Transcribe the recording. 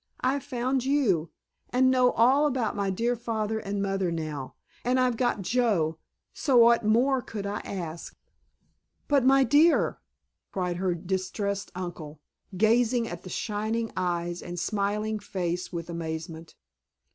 I've found you—and know all about my dear father and mother now—and I've got Joe, so what more could I ask?" "But, my dear——" cried her distressed uncle, gazing at the shining eyes and smiling face with amazement.